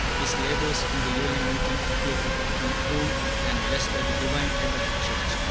His labors in the Yearly Meeting appear to have been owned and blessed by the Divine Head of the church.